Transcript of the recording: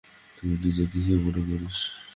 তুই নিজেকে কি মনে করিস?